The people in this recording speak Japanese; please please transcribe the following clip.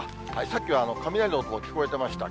さっきは雷の音も聞こえてました。